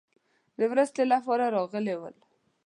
د مرستې لپاره راغلي ول.